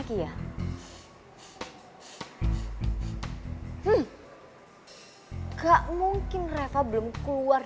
kak mungkin reva belum keluar